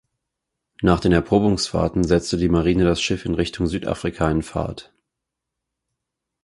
Nach den Erprobungsfahrten setzte die Marine das Schiff in Richtung Südafrika in Fahrt.